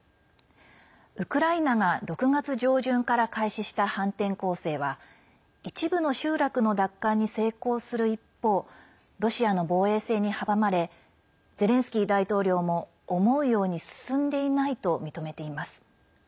ウクライナが６月上旬から開始した反転攻勢は一部の集落の奪還に成功する一方ロシアの防衛線に阻まれゼレンスキー大統領も思うように進んでいないと認めています。